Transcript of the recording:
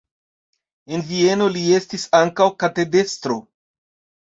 En Vieno li estis ankaŭ katedrestro.